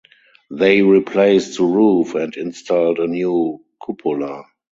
They replaced the roof and installed a new cupola.